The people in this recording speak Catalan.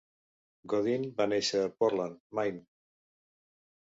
Godin va néixer a Portland, Maine.